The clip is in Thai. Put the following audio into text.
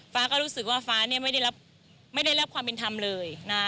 ฟ้าก็รู้สึกว่าฟ้าไม่ได้รับความเป็นธรรมเลยนะ